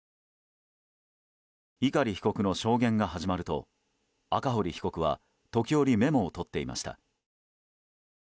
碇被告の証言が始まると赤堀被告は時折メモを取っていました。